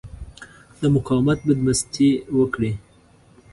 د مقاومت بدمستي وکړي.